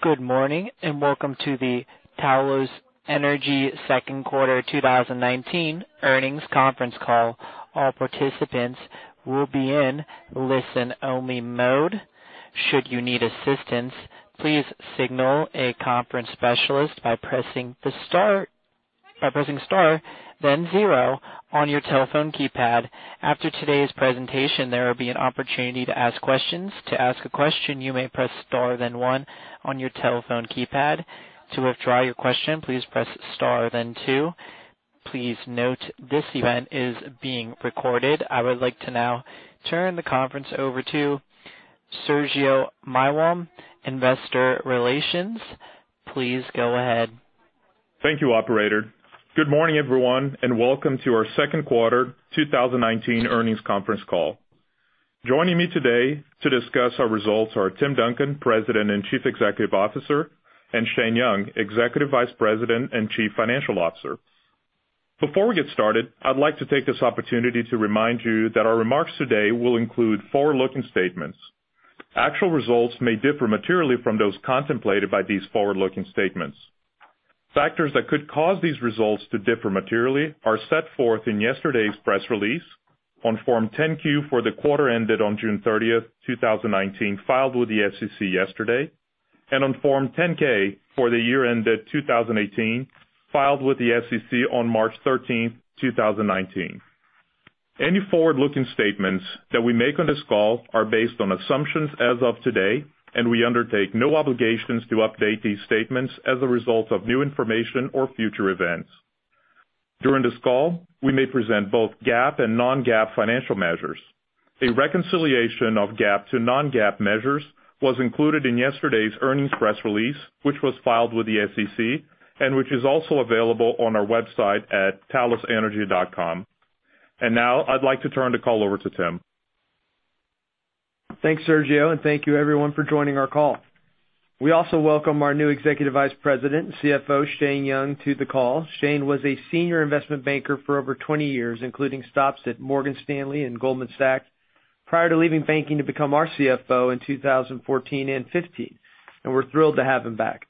Good morning, and welcome to the Talos Energy second quarter 2019 earnings conference call. All participants will be in listen-only mode. Should you need assistance, please signal a conference specialist by pressing star then zero on your telephone keypad. After today's presentation, there will be an opportunity to ask questions. To ask a question, you may press star, then one on your telephone keypad. To withdraw your question, please press star, then two. Please note this event is being recorded. I would like to now turn the conference over to Sergio Maiworm, investor relations. Please go ahead. Thank you, operator. Good morning, everyone, and welcome to our second quarter 2019 earnings conference call. Joining me today to discuss our results are Tim Duncan, President and Chief Executive Officer, and Shane Young, Executive Vice President and Chief Financial Officer. Before we get started, I'd like to take this opportunity to remind you that our remarks today will include forward-looking statements. Actual results may differ materially from those contemplated by these forward-looking statements. Factors that could cause these results to differ materially are set forth in yesterday's press release on Form 10-Q for the quarter ended on June 30, 2019, filed with the SEC yesterday, and on Form 10-K for the year ended 2018, filed with the SEC on March 13, 2019. Any forward-looking statements that we make on this call are based on assumptions as of today, and we undertake no obligations to update these statements as a result of new information or future events. During this call, we may present both GAAP and non-GAAP financial measures. A reconciliation of GAAP to non-GAAP measures was included in yesterday's earnings press release, which was filed with the SEC and which is also available on our website at talosenergy.com. Now I'd like to turn the call over to Tim. Thanks, Sergio, and thank you everyone for joining our call. We also welcome our new Executive Vice President and CFO, Shane Young, to the call. Shane was a senior investment banker for over 20 years, including stops at Morgan Stanley and Goldman Sachs, prior to leaving banking to become our CFO in 2014 and 2015, and we're thrilled to have him back.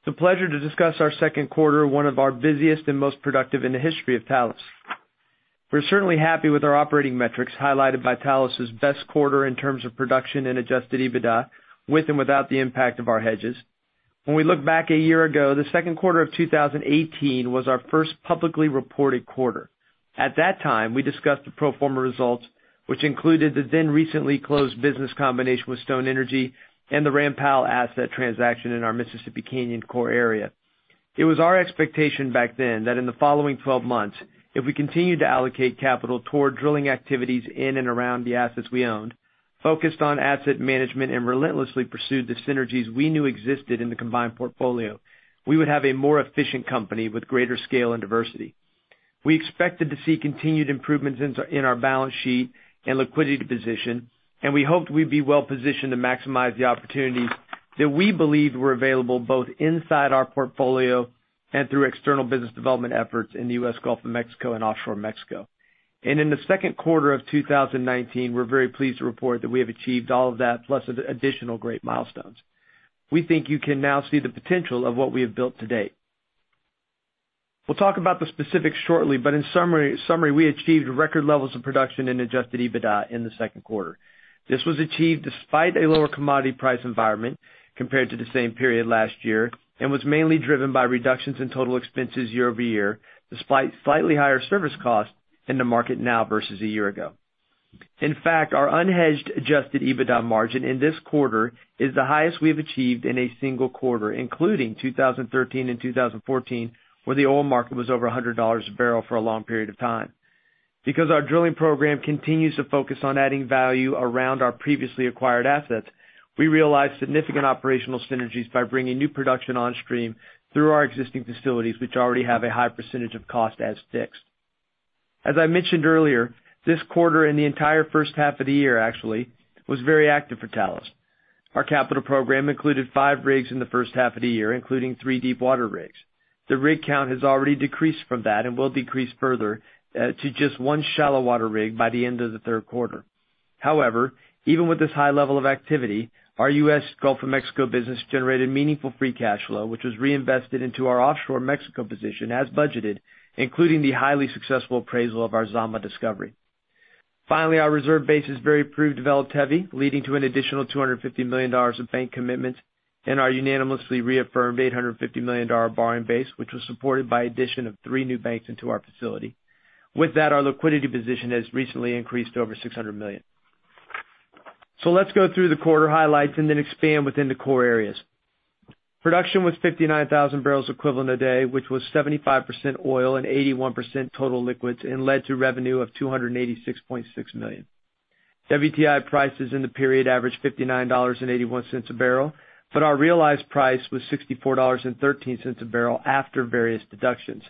It's a pleasure to discuss our second quarter, one of our busiest and most productive in the history of Talos. We're certainly happy with our operating metrics, highlighted by Talos' best quarter in terms of production and adjusted EBITDA, with and without the impact of our hedges. When we look back a year ago, the second quarter of 2018 was our first publicly reported quarter. At that time, we discussed the pro forma results, which included the then recently closed business combination with Stone Energy and the Ram Powell asset transaction in our Mississippi Canyon core area. It was our expectation back then that in the following 12 months, if we continued to allocate capital toward drilling activities in and around the assets we owned, focused on asset management, and relentlessly pursued the synergies we knew existed in the combined portfolio, we would have a more efficient company with greater scale and diversity. We expected to see continued improvements in our balance sheet and liquidity position, and we hoped we'd be well positioned to maximize the opportunities that we believed were available both inside our portfolio and through external business development efforts in the U.S. Gulf of Mexico and offshore Mexico. In the second quarter of 2019, we're very pleased to report that we have achieved all of that, plus additional great milestones. We think you can now see the potential of what we have built to date. We'll talk about the specifics shortly, but in summary, we achieved record levels of production and adjusted EBITDA in the second quarter. This was achieved despite a lower commodity price environment compared to the same period last year, and was mainly driven by reductions in total expenses year-over-year, despite slightly higher service costs in the market now versus a year ago. In fact, our unhedged adjusted EBITDA margin in this quarter is the highest we've achieved in a single quarter, including 2013 and 2014, where the oil market was over $100 a barrel for a long period of time. Because our drilling program continues to focus on adding value around our previously acquired assets, we realized significant operational synergies by bringing new production on stream through our existing facilities, which already have a high percentage of cost as fixed. As I mentioned earlier, this quarter, and the entire first half of the year actually, was very active for Talos. Our capital program included five rigs in the first half of the year, including three deep water rigs. The rig count has already decreased from that and will decrease further to just one shallow water rig by the end of the third quarter. However, even with this high level of activity, our U.S. Gulf of Mexico business generated meaningful free cash flow, which was reinvested into our offshore Mexico position as budgeted, including the highly successful appraisal of our Zama discovery. Finally, our reserve base is very proved developed heavy, leading to an additional $250 million of bank commitments and our unanimously reaffirmed $850 million borrowing base, which was supported by addition of three new banks into our facility. With that, our liquidity position has recently increased to over $600 million. Let's go through the quarter highlights and then expand within the core areas. Production was 59,000 barrels equivalent a day, which was 75% oil and 81% total liquids and led to revenue of $286.6 million. WTI prices in the period averaged $59.81 a barrel, Our realized price was $64.13 a barrel after various deductions.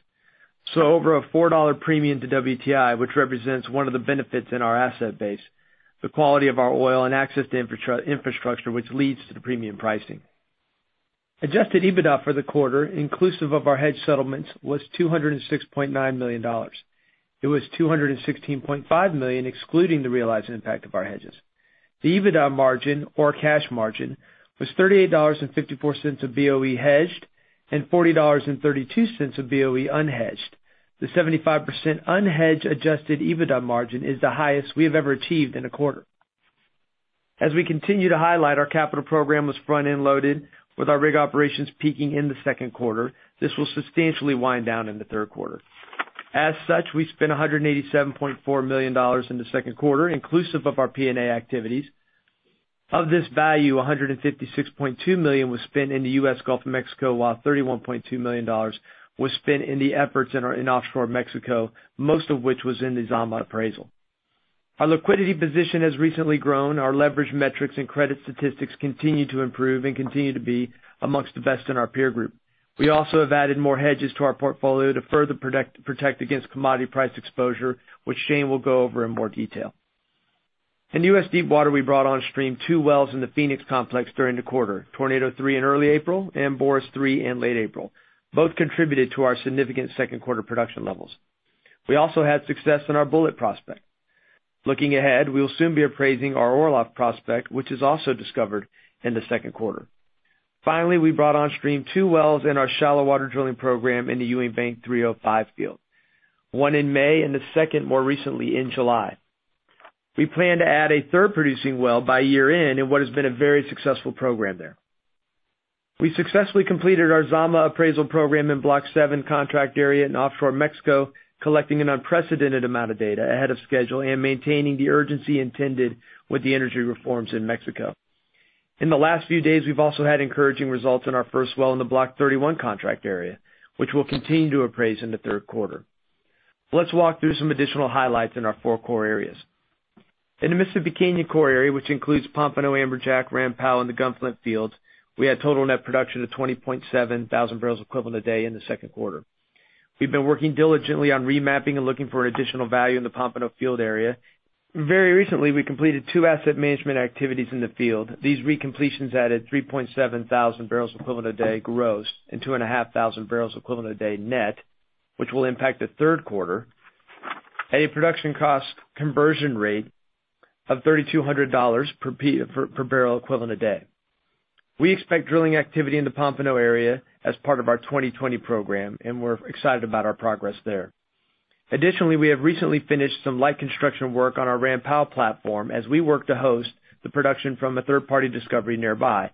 Over a $4 premium to WTI, which represents one of the benefits in our asset base, the quality of our oil, and access to infrastructure, which leads to the premium pricing. Adjusted EBITDA for the quarter, inclusive of our hedge settlements, was $206.9 million. It was $216.5 million, excluding the realized impact of our hedges. The EBITDA margin or cash margin was $38.54 of BOE hedged and $40.32 of BOE unhedged. The 75% unhedged adjusted EBITDA margin is the highest we have ever achieved in a quarter. As we continue to highlight, our capital program was front-end loaded, with our rig operations peaking in the second quarter. This will substantially wind down in the third quarter. As such, we spent $187.4 million in the second quarter, inclusive of our P&A activities. Of this value, $156.2 million was spent in the U.S. Gulf of Mexico, while $31.2 million was spent in the efforts in offshore Mexico, most of which was in the Zama appraisal. Our liquidity position has recently grown. Our leverage metrics and credit statistics continue to improve and continue to be amongst the best in our peer group. We also have added more hedges to our portfolio to further protect against commodity price exposure, which Shane will go over in more detail. In U.S. Deepwater, we brought on stream two wells in the Phoenix Complex during the quarter, Tornado Three in early April, and Boris Three in late April. Both contributed to our significant second quarter production levels. We also had success in our Bulleit prospect. Looking ahead, we will soon be appraising our Orloff prospect, which is also discovered in the second quarter. Finally, we brought on stream two wells in our Shallow Water Drilling program in the Ewing Bank 305 field, one in May and the second more recently in July. We plan to add a third producing well by year-end in what has been a very successful program there. We successfully completed our Zama appraisal program in Block 7 contract area in offshore Mexico, collecting an unprecedented amount of data ahead of schedule and maintaining the urgency intended with the energy reforms in Mexico. In the last few days, we've also had encouraging results in our first well in the Block 31 contract area, which we'll continue to appraise in the third quarter. Let's walk through some additional highlights in our four core areas. In the Mississippi Canyon core area, which includes Pompano, Amberjack, Ram Powell, and the Gun Flint fields, we had total net production of 20.7 thousand barrels equivalent a day in the second quarter. We've been working diligently on remapping and looking for additional value in the Pompano field area. Very recently, we completed two asset management activities in the field. These recompletions added 3.7 thousand barrels equivalent a day gross and 2,500 barrels equivalent a day net, which will impact the third quarter at a production cost conversion rate of $3,200 per barrel equivalent a day. We expect drilling activity in the Pompano area as part of our 2020 program, and we're excited about our progress there. Additionally, we have recently finished some light construction work on our Ram Powell platform as we work to host the production from a third-party discovery nearby.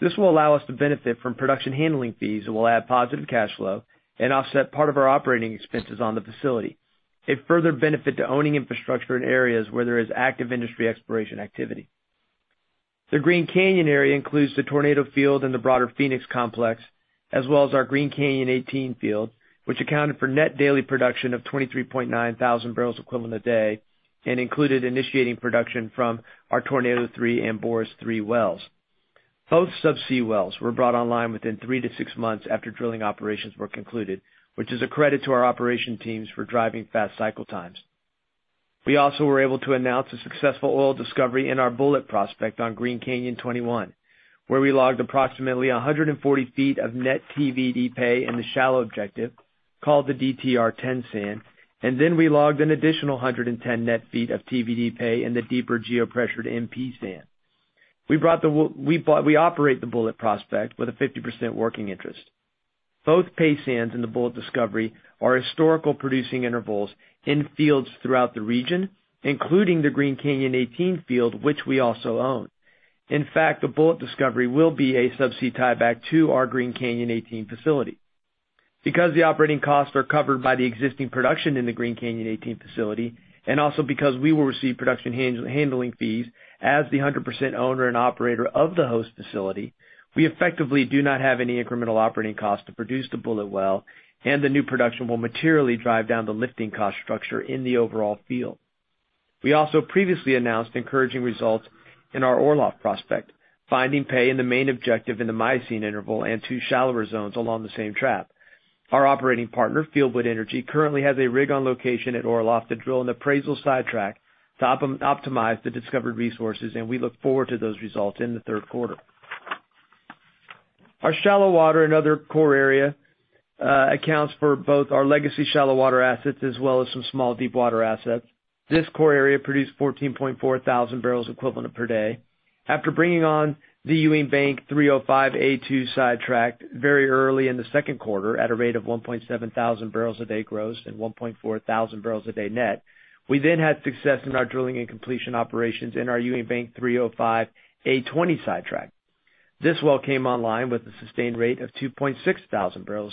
This will allow us to benefit from production handling fees that will add positive cash flow and offset part of our operating expenses on the facility. A further benefit to owning infrastructure in areas where there is active industry exploration activity. The Green Canyon area includes the Tornado Field and the broader Phoenix Complex, as well as our Green Canyon 18 field, which accounted for net daily production of 23.9 thousand BOE a day and included initiating production from our Tornado Three and Boris Three wells. Both subsea wells were brought online within three to six months after drilling operations were concluded, which is a credit to our operation teams for driving fast cycle times. We also were able to announce a successful oil discovery in our Bulleit prospect on Green Canyon 21, where we logged approximately 140 feet of net TVD pay in the shallow objective called the DTR-10 Sand. We logged an additional 110 net feet of TVD pay in the deeper geopressured MP Sand. We operate the Bulleit prospect with a 50% working interest. Both pay sands in the Bulleit discovery are historical producing intervals in fields throughout the region, including the Green Canyon 18 field, which we also own. In fact, the Bulleit discovery will be a subsea tieback to our Green Canyon 18 facility. The operating costs are covered by the existing production in the Green Canyon 18 facility, and also because we will receive production handling fees as the 100% owner and operator of the host facility, we effectively do not have any incremental operating cost to produce the Bulleit well, and the new production will materially drive down the lifting cost structure in the overall field. We also previously announced encouraging results in our Orloff prospect, finding pay in the main objective in the Miocene interval and two shallower zones along the same trap. Our operating partner, Fieldwood Energy, currently has a rig on location at Orloff to drill an appraisal sidetrack to optimize the discovered resources. We look forward to those results in the third quarter. Our shallow water, another core area, accounts for both our legacy shallow water assets as well as some small deep water assets. This core area produced 14.4 thousand BOE per day. After bringing on the Ewing Bank 305 A2 sidetrack very early in the second quarter at a rate of 1.7 thousand barrels a day gross and 1.4 thousand barrels a day net, we had success in our drilling and completion operations in our Ewing Bank 305 A20 sidetrack. This well came online with a sustained rate of 2.6 thousand BOE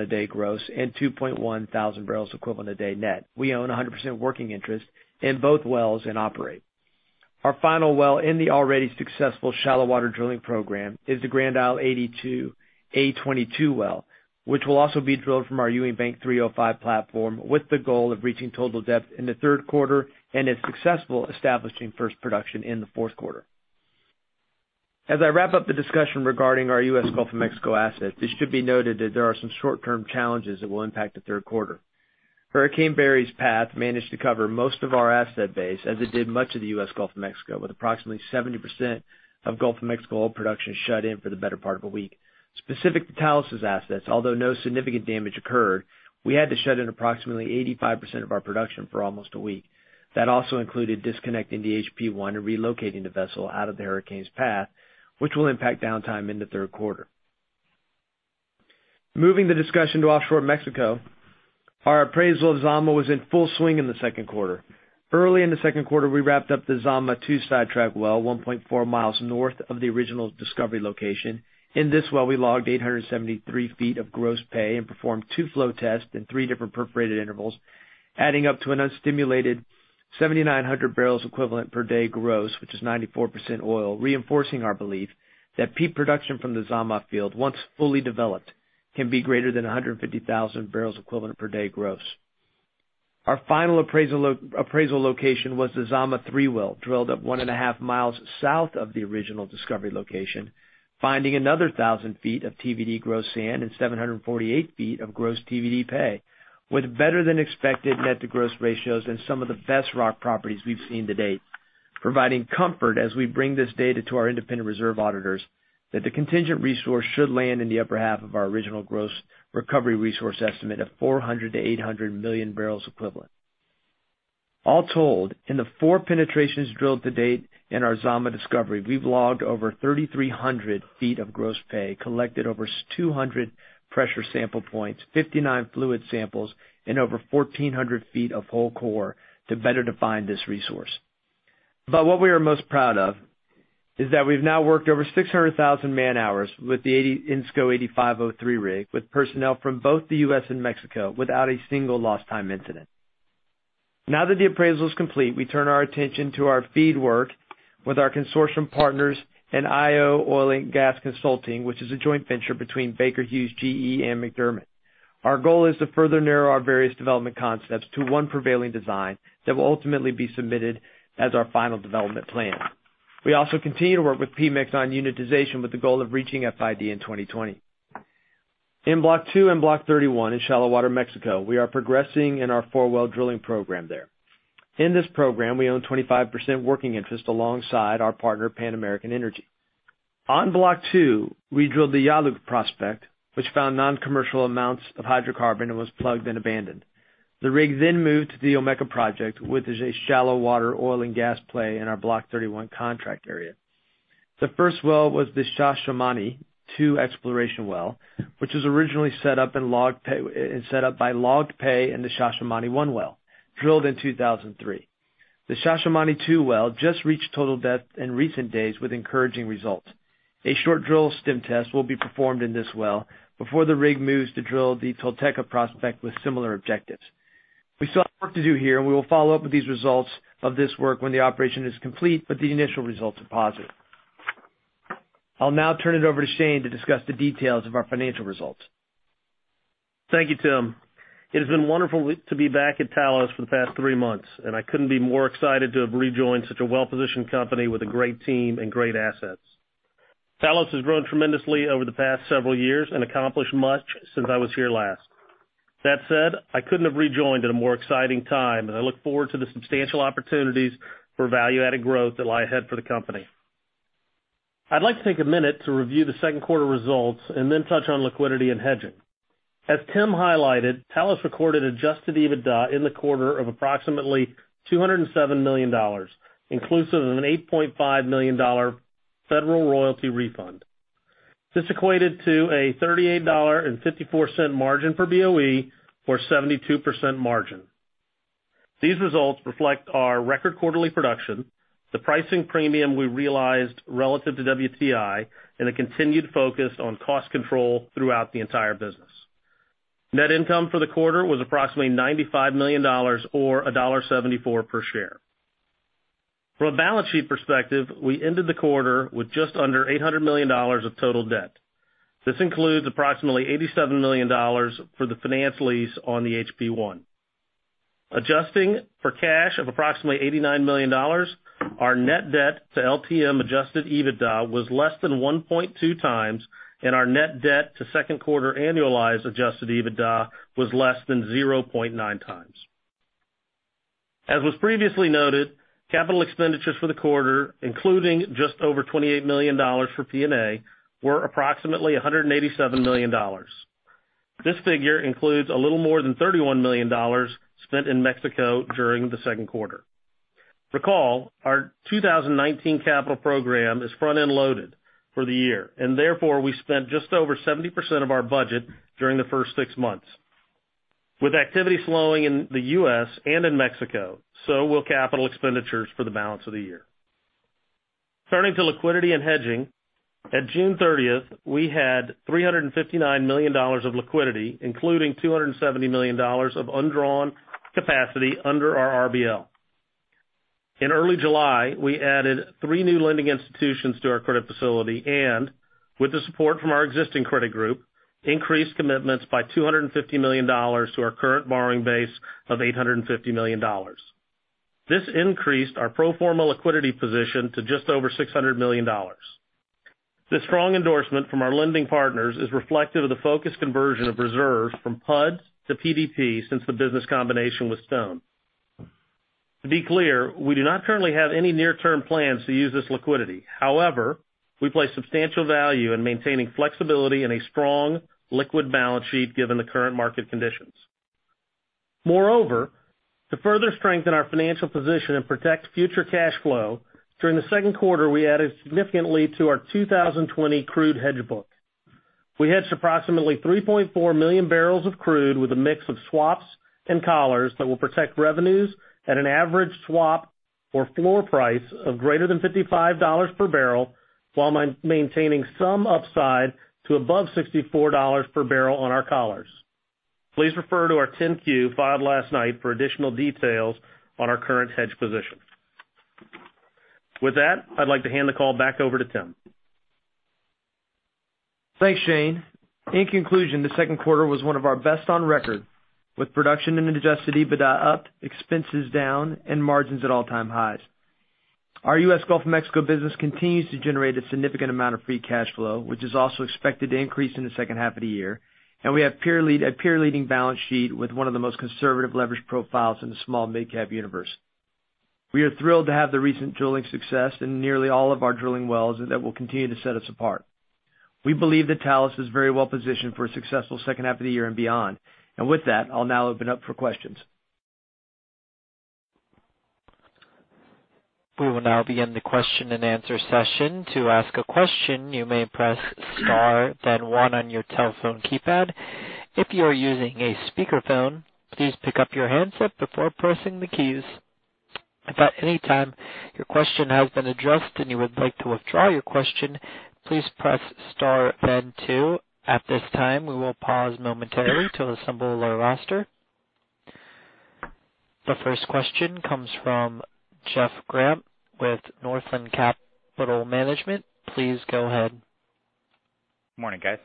a day gross and 2.1 thousand BOE a day net. We own 100% working interest in both wells and operate. Our final well in the already successful Shallow Water Drilling program is the Grand Isle 82 A22 well, which will also be drilled from our Ewing Bank 305 platform with the goal of reaching total depth in the third quarter, and if successful, establishing first production in the fourth quarter. As I wrap up the discussion regarding our U.S. Gulf of Mexico assets, it should be noted that there are some short-term challenges that will impact the third quarter. Hurricane Barry's path managed to cover most of our asset base as it did much of the U.S. Gulf of Mexico, with approximately 70% of Gulf of Mexico oil production shut in for the better part of a week. Specific to Talos' assets, although no significant damage occurred, we had to shut in approximately 85% of our production for almost a week. That also included disconnecting the HP1 and relocating the vessel out of the hurricane's path, which will impact downtime in the third quarter. Moving the discussion to offshore Mexico, our appraisal of Zama was in full swing in the second quarter. Early in the second quarter, we wrapped up the Zama-2 sidetrack well, 1.4 miles north of the original discovery location. In this well, we logged 873 feet of gross pay and performed two flow tests in three different perforated intervals, adding up to an unstimulated 7,900 barrels equivalent per day gross, which is 94% oil, reinforcing our belief that peak production from the Zama field, once fully developed, can be greater than 150,000 barrels equivalent per day gross. Our final appraisal location was the Zama-3 well, drilled at one and a half miles south of the original discovery location, finding another 1,000 feet of TVD gross sand and 748 feet of gross TVD pay with better-than-expected net-to-gross ratios and some of the best rock properties we've seen to date, providing comfort as we bring this data to our independent reserve auditors that the contingent resource should land in the upper half of our original gross recovery resource estimate of 400 million-800 million barrels equivalent. All told, in the four penetrations drilled to date in our Zama discovery, we've logged over 3,300 feet of gross pay, collected over 200 pressure sample points, 59 fluid samples, and over 1,400 feet of whole core to better define this resource. What we are most proud of is that we've now worked over 600,000 man-hours with the ENSCO 8503 rig with personnel from both the U.S. and Mexico without a single lost time incident. Now that the appraisal is complete, we turn our attention to our FEED work with our consortium partners and io oil & gas consulting, which is a joint venture between Baker Hughes, GE, and McDermott. Our goal is to further narrow our various development concepts to one prevailing design that will ultimately be submitted as our final development plan. We also continue to work with Pemex on unitization with the goal of reaching FID in 2020. In Block 2 and Block 31 in shallow water Mexico, we are progressing in our four-well drilling program there. In this program, we own 25% working interest alongside our partner, Pan American Energy. On Block 2, we drilled the Yaluh prospect, which found non-commercial amounts of hydrocarbon and was plugged and abandoned. The rig then moved to the Omeca project, which is a shallow water oil and gas play in our Block 31 contract area. The first well was the Xaximani-2 exploration well, which was originally set up by logged pay in the Xaximani-1 well, drilled in 2003. The Xaximani-2 well just reached total depth in recent days with encouraging results. A short drill stem test will be performed in this well before the rig moves to drill the Tolteca prospect with similar objectives. We still have work to do here, and we will follow up with these results of this work when the operation is complete, but the initial results are positive. I'll now turn it over to Shane to discuss the details of our financial results. Thank you, Tim. It has been wonderful to be back at Talos Energy for the past three months, and I couldn't be more excited to have rejoined such a well-positioned company with a great team and great assets. Talos Energy has grown tremendously over the past several years and accomplished much since I was here last. That said, I couldn't have rejoined at a more exciting time, and I look forward to the substantial opportunities for value-added growth that lie ahead for the company. I'd like to take a minute to review the second quarter results and then touch on liquidity and hedging. As Tim highlighted, Talos Energy recorded adjusted EBITDA in the quarter of approximately $207 million, inclusive of an $8.5 million federal royalty refund. This equated to a $38.54 margin per BOE or 72% margin. These results reflect our record quarterly production, the pricing premium we realized relative to WTI, and a continued focus on cost control throughout the entire business. Net income for the quarter was approximately $95 million or $1.74 per share. From a balance sheet perspective, we ended the quarter with just under $800 million of total debt. This includes approximately $87 million for the finance lease on the HP1. Adjusting for cash of approximately $89 million, our net debt to LTM adjusted EBITDA was less than 1.2 times, and our net debt to second quarter annualized adjusted EBITDA was less than 0.9 times. As was previously noted, capital expenditures for the quarter, including just over $28 million for P&A, were approximately $187 million. This figure includes a little more than $31 million spent in Mexico during the second quarter. Recall, our 2019 capital program is front-end loaded for the year, and therefore, we spent just over 70% of our budget during the first six months. With activity slowing in the U.S. and in Mexico, so will capital expenditures for the balance of the year. Turning to liquidity and hedging, at June 30th, we had $359 million of liquidity, including $270 million of undrawn capacity under our RBL. In early July, we added three new lending institutions to our credit facility and, with the support from our existing credit group, increased commitments by $250 million to our current borrowing base of $850 million. This increased our pro forma liquidity position to just over $600 million. This strong endorsement from our lending partners is reflective of the focused conversion of reserves from PUDs to PDPs since the business combination with Stone. We do not currently have any near-term plans to use this liquidity. We place substantial value in maintaining flexibility and a strong liquid balance sheet given the current market conditions. To further strengthen our financial position and protect future cash flow, during the second quarter, we added significantly to our 2020 crude hedge book. We hedged approximately 3.4 million barrels of crude with a mix of swaps and collars that will protect revenues at an average swap or floor price of greater than $55 per barrel, while maintaining some upside to above $64 per barrel on our collars. Please refer to our 10-Q filed last night for additional details on our current hedge position. I'd like to hand the call back over to Tim. Thanks, Shane. In conclusion, the second quarter was one of our best on record, with production and adjusted EBITDA up, expenses down, and margins at all-time highs. Our U.S. Gulf of Mexico business continues to generate a significant amount of free cash flow, which is also expected to increase in the second half of the year. We have a peer-leading balance sheet with one of the most conservative leverage profiles in the small mid-cap universe. We are thrilled to have the recent drilling success in nearly all of our drilling wells, and that will continue to set us apart. We believe that Talos is very well-positioned for a successful second half of the year and beyond. With that, I'll now open up for questions. We will now begin the question and answer session. To ask a question, you may press star then one on your telephone keypad. If you are using a speakerphone, please pick up your handset before pressing the keys. If at any time your question has been addressed and you would like to withdraw your question, please press star then two. At this time, we will pause momentarily to assemble our roster. The first question comes from Jeff Grampp with Northland Capital Market. Please go ahead. Morning, guys.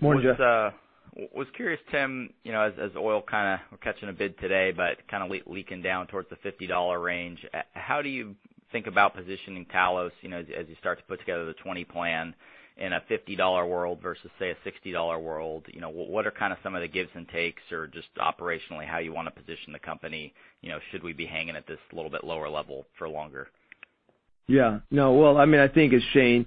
Morning, Jeff. Just was curious, Tim, as oil kind of catching a bid today, but kind of leaking down towards the $50 range, how do you think about positioning Talos, as you start to put together the 2020 plan in a $50 world versus, say, a $60 world? What are some of the gives and takes or just operationally how you want to position the company? Should we be hanging at this little bit lower level for longer? Yeah. No. Well, I think as Shane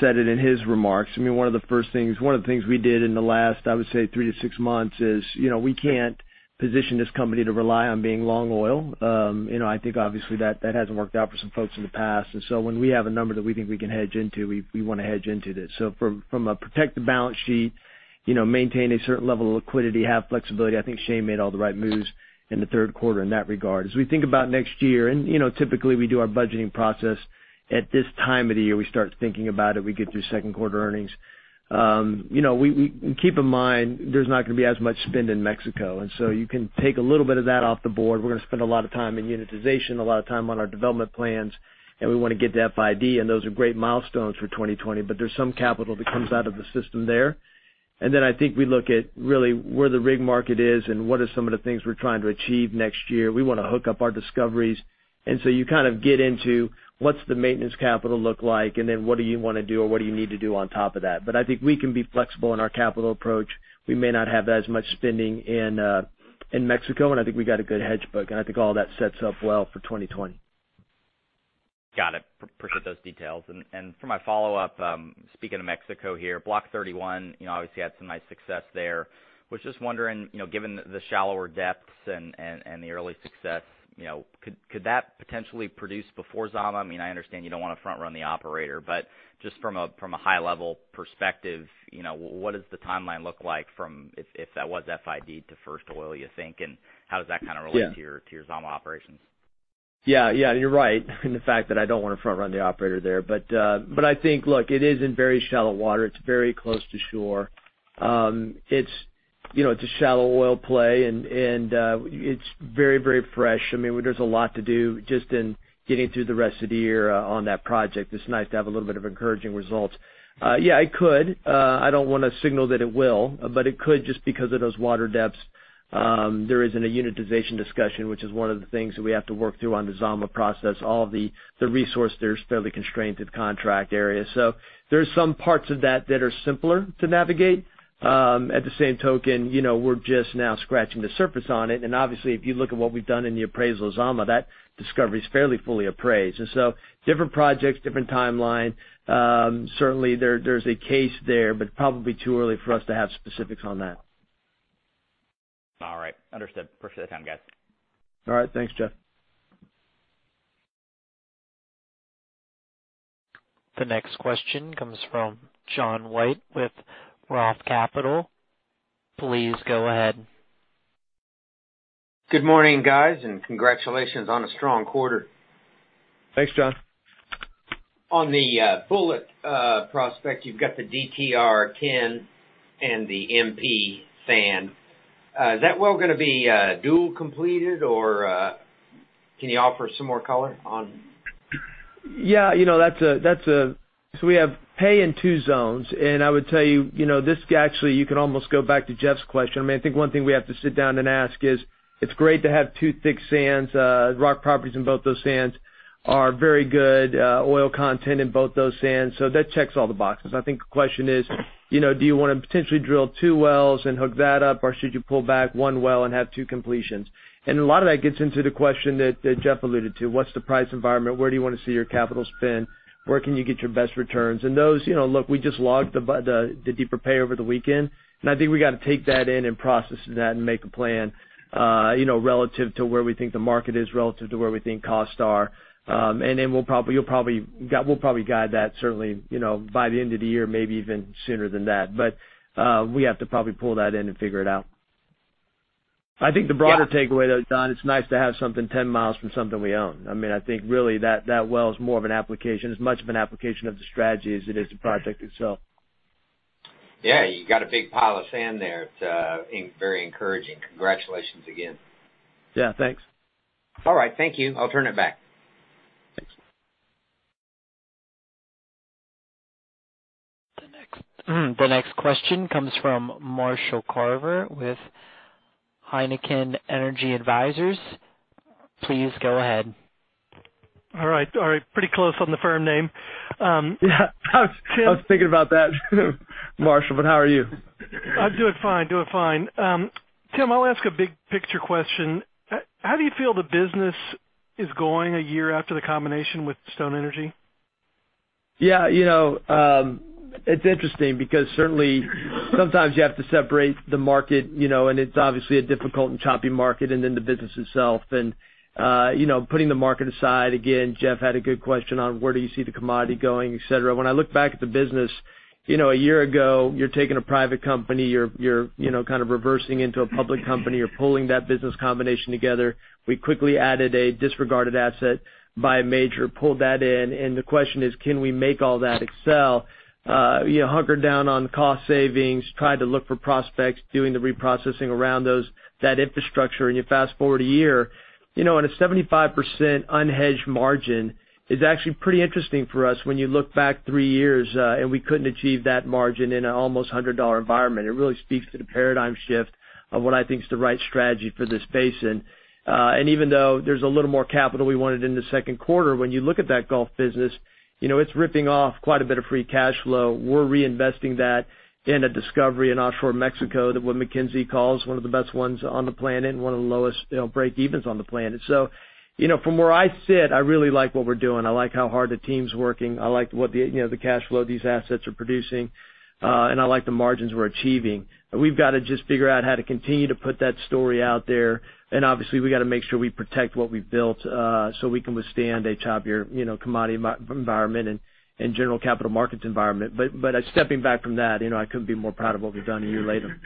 said it in his remarks, one of the things we did in the last, I would say three to six months is, we can't position this company to rely on being long oil. I think obviously that hasn't worked out for some folks in the past. When we have a number that we think we can hedge into, we want to hedge into it. From a protect the balance sheet, maintain a certain level of liquidity, have flexibility, I think Shane made all the right moves in the third quarter in that regard. As we think about next year, typically we do our budgeting process at this time of the year. We start thinking about it, we get through second quarter earnings. Keep in mind, there's not going to be as much spend in Mexico, and so you can take a little bit of that off the board. We're going to spend a lot of time in unitization, a lot of time on our development plans, and we want to get to FID, and those are great milestones for 2020. There's some capital that comes out of the system there. I think we look at really where the rig market is and what are some of the things we're trying to achieve next year. We want to hook up our discoveries. You kind of get into what's the maintenance capital look like, and then what do you want to do, or what do you need to do on top of that? I think we can be flexible in our capital approach. We may not have as much spending in Mexico, and I think we got a good hedge book, and I think all that sets up well for 2020. Got it. Appreciate those details. For my follow-up, speaking of Mexico here, Block 31, obviously had some nice success there. Was just wondering, given the shallower depths and the early success, could that potentially produce before Zama? I understand you don't want to front-run the operator, but just from a high-level perspective, what does the timeline look like from if that was FID to first oil, you think, and how does that kind of relate. Yeah to your Zama operations? Yeah. You're right in the fact that I don't want to front-run the operator there. I think, look, it is in very shallow water. It's very close to shore. It's a shallow oil play, and it's very fresh. There's a lot to do just in getting through the rest of the year on that project. It's nice to have a little bit of encouraging results. Yeah, it could. I don't want to signal that it will, but it could just because of those water depths. There isn't a unitization discussion, which is one of the things that we have to work through on the Zama process. All of the resource there is fairly constrained to the contract area. There's some parts of that that are simpler to navigate. At the same token, we're just now scratching the surface on it. Obviously, if you look at what we've done in the appraisal of Zama, that discovery is fairly fully appraised. So different projects, different timeline. Certainly, there's a case there, but probably too early for us to have specifics on that. All right. Understood. Appreciate the time, guys. All right. Thanks, Jeff. The next question comes from John White with ROTH Capital. Please go ahead. Good morning, guys, and congratulations on a strong quarter. Thanks, John. On the Bulleit prospect, you've got the DTR-10 and the MP Sand. Is that well going to be dual completed? Can you offer some more color on? Yeah. We have pay in two zones, and I would tell you, this actually, you can almost go back to Jeff's question. I think one thing we have to sit down and ask is, it's great to have two thick sands, rock properties in both those sands are very good oil content in both those sands, so that checks all the boxes. I think the question is, do you want to potentially drill two wells and hook that up, or should you pull back one well and have two completions? A lot of that gets into the question that Jeff alluded to. What's the price environment? Where do you want to see your capital spend? Where can you get your best returns? Those, look, we just logged the deeper pay over the weekend, and I think we got to take that in and process that and make a plan, relative to where we think the market is, relative to where we think costs are. Then we'll probably guide that certainly, by the end of the year, maybe even sooner than that. We have to probably pull that in and figure it out. I think the broader takeaway, though, John, it's nice to have something 10 miles from something we own. I think really that well is more of an application, as much of an application of the strategy as it is the project itself. Yeah, you got a big pile of sand there. It's very encouraging. Congratulations again. Yeah, thanks. All right. Thank you. I'll turn it back. Thank you. The next question comes from Marshall Carver with Heikkinen Energy Advisors. Please go ahead. All right. Pretty close on the firm name. Yeah, I was thinking about that, Marshall. How are you? I'm doing fine. Tim, I'll ask a big picture question. How do you feel the business is going a year after the combination with Stone Energy? Yeah. It's interesting because certainly, sometimes you have to separate the market, and it's obviously a difficult and choppy market, and then the business itself. Putting the market aside, again, Jeff Grampp had a good question on where do you see the commodity going, et cetera. When I look back at the business, a year ago, you're taking a private company, you're kind of reversing into a public company. You're pulling that business combination together. We quickly added a disregarded asset by a major, pulled that in, and the question is, can we make all that excel? Hunkered down on cost savings, tried to look for prospects, doing the reprocessing around that infrastructure, and you fast-forward a year. A 75% unhedged margin is actually pretty interesting for us when you look back 3 years, and we couldn't achieve that margin in an almost $100 environment. It really speaks to the paradigm shift of what I think is the right strategy for this basin. Even though there's a little more capital we wanted in the second quarter, when you look at that Gulf business, it's ripping off quite a bit of free cash flow. We're reinvesting that in a discovery in offshore Mexico, the one McKinsey calls one of the best ones on the planet and one of the lowest breakevens on the planet. From where I sit, I really like what we're doing. I like how hard the team's working. I like the cash flow these assets are producing. I like the margins we're achieving. We've got to just figure out how to continue to put that story out there, and obviously, we got to make sure we protect what we've built, so we can withstand a choppier commodity environment and general capital markets environment. Stepping back from that, I couldn't be more proud of what we've done a year later.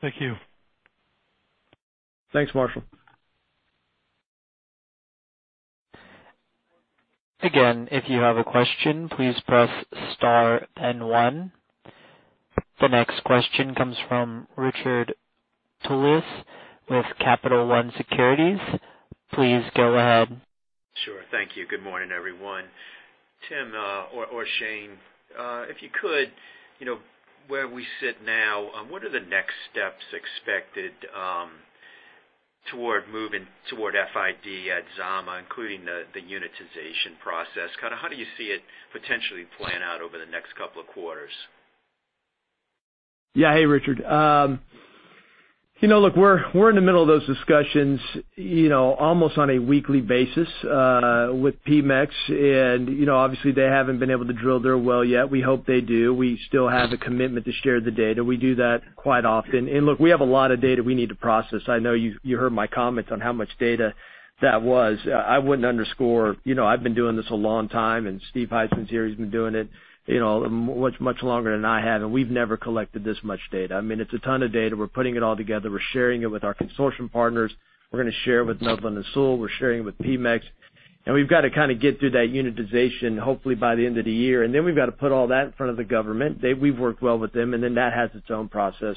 Thank you. Thanks, Marshall. Again, if you have a question, please press star and 1. The next question comes from Richard Tullis with Capital One Securities. Please go ahead. Sure. Thank you. Good morning, everyone. Tim or Shane, if you could, where we sit now, what are the next steps expected toward moving toward FID at Zama, including the unitization process? How do you see it potentially playing out over the next couple of quarters? Yeah. Hey, Richard. Look, we're in the middle of those discussions almost on a weekly basis with Pemex. Obviously, they haven't been able to drill their well yet. We hope they do. We still have the commitment to share the data. We do that quite often. Look, we have a lot of data we need to process. I know you heard my comments on how much data that was. I wouldn't underscore, I've been doing this a long time, Steve Hyslop's here, he's been doing it much longer than I have, we've never collected this much data. It's a ton of data. We're putting it all together. We're sharing it with our consortium partners. We're going to share with Northland and Sewell. We're sharing with Pemex, we've got to get through that unitization, hopefully by the end of the year. Then we've got to put all that in front of the government. We've worked well with them, and then that has its own process.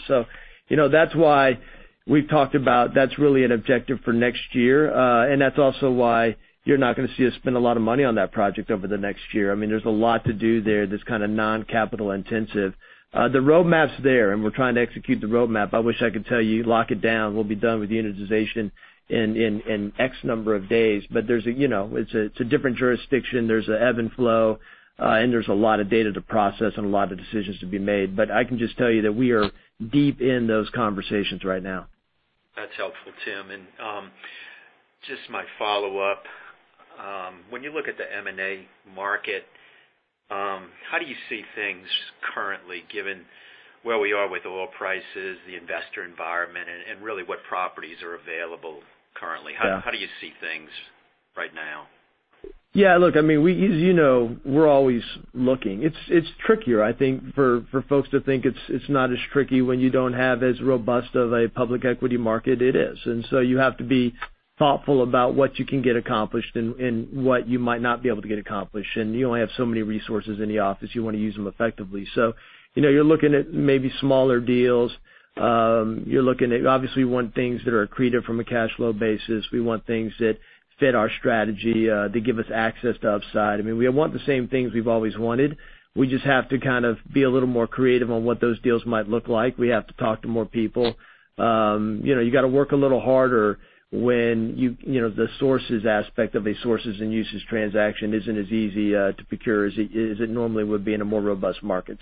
That's why we've talked about that's really an objective for next year. That's also why you're not going to see us spend a lot of money on that project over the next year. There's a lot to do there that's non-capital intensive. The roadmap's there, and we're trying to execute the roadmap. I wish I could tell you, lock it down, we'll be done with the unitization in X number of days. It's a different jurisdiction. There's an ebb and flow, and there's a lot of data to process and a lot of decisions to be made. I can just tell you that we are deep in those conversations right now. That's helpful, Tim. Just my follow-up. When you look at the M&A market, how do you see things currently, given where we are with oil prices, the investor environment, and really what properties are available currently? Yeah. How do you see things right now? Yeah, look, as you know, we're always looking. It's trickier, I think, for folks to think it's not as tricky when you don't have as robust of a public equity market. It is. You have to be thoughtful about what you can get accomplished and what you might not be able to get accomplished, and you only have so many resources in the office. You want to use them effectively. You're looking at maybe smaller deals. You're looking at, obviously, we want things that are accretive from a cash flow basis. We want things that fit our strategy, that give us access to upside. We want the same things we've always wanted. We just have to be a little more creative on what those deals might look like. We have to talk to more people. You got to work a little harder when the sources aspect of a sources and uses transaction isn't as easy to procure as it normally would be in a more robust market.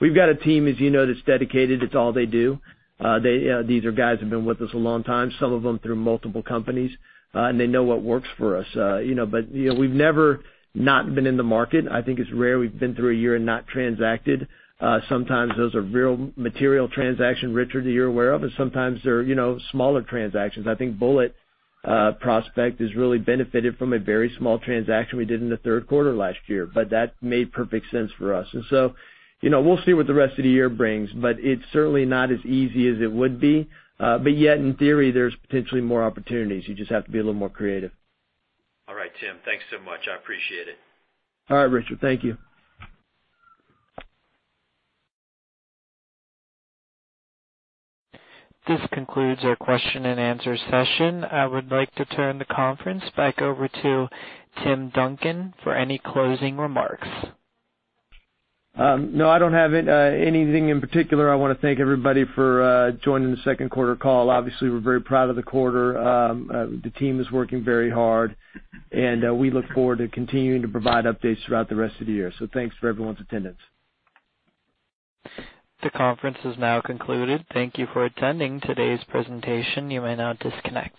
We've got a team, as you know, that's dedicated. It's all they do. These are guys who've been with us a long time, some of them through multiple companies. They know what works for us. We've never not been in the market. I think it's rare we've been through a year and not transacted. Sometimes those are real material transactions, Richard, that you're aware of, and sometimes they're smaller transactions. I think Bulleit Prospect has really benefited from a very small transaction we did in the third quarter last year, but that made perfect sense for us. We'll see what the rest of the year brings, but it's certainly not as easy as it would be. Yet, in theory, there's potentially more opportunities. You just have to be a little more creative. All right, Tim, thanks so much. I appreciate it. All right, Richard. Thank you. This concludes our question and answer session. I would like to turn the conference back over to Tim Duncan for any closing remarks. No, I don't have anything in particular. I want to thank everybody for joining the second quarter call. Obviously, we're very proud of the quarter. The team is working very hard, and we look forward to continuing to provide updates throughout the rest of the year. Thanks for everyone's attendance. The conference is now concluded. Thank you for attending today's presentation. You may now disconnect.